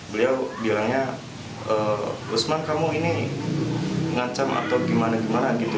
beliau bilangnya usman kamu ini ngancam atau gimana gimana gitu